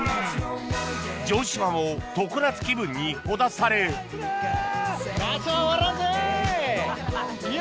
・城島も常夏気分にほだされヨ！